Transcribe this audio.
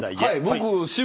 僕